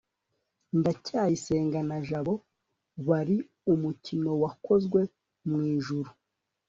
ndacyayisenga na jabo bari umukino wakozwe mwijuru